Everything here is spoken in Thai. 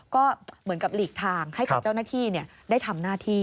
ก็เหมือนกับหลีกทางให้กับเจ้าหน้าที่ได้ทำหน้าที่